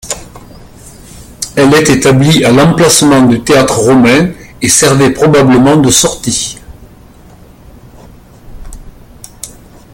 Elle est établie à l'emplacement du théâtre romain et servait probablement de sortie.